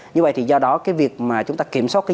như vậy do đó việc chúng ta kiểm soát